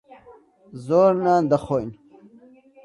زۆر نان دەخۆین.